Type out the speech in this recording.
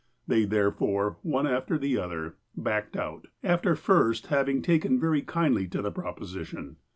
They, therefore, one after the other, backed out, after first hav ing taken very kindly to the proposition.